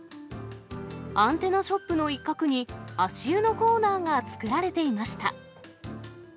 アンテナショップの一角に、足湯のコーナーが作られていました。